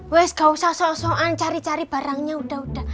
west gak usah soan cari cari barangnya udah udah